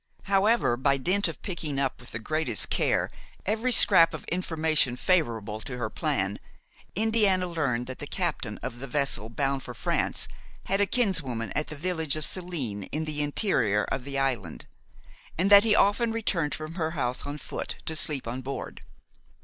However, by dint of picking up with the greatest care every scrap of information favorable to her plan, Indiana learned that the captain of the vessel bound for France had a kinswoman at the village of Saline in the interior of the island, and that he often returned from her house on foot, to sleep on board.